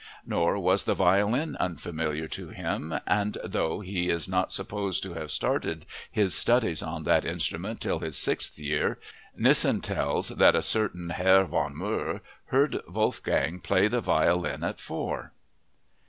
Nor was the violin unfamiliar to him and, though he is not supposed to have started his studies on that instrument till his sixth year, Nissen tells that a certain Herr von Murr heard Wolfgang play the violin at four!